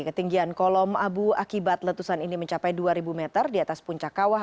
ketinggian kolom abu akibat letusan ini mencapai dua ribu meter di atas puncak kawah